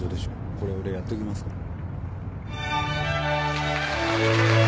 これ俺やっときますから。